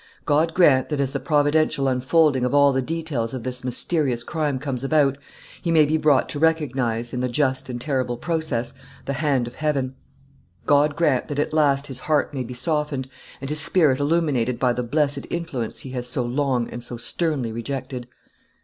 God grant, that as the providential unfolding of all the details of this mysterious crime comes about, he maybe brought to recognize, in the just and terrible process, the hand of heaven. God grant, that at last his heart may be softened, and his spirit illuminated by the blessed influence he has so long and so sternly rejected."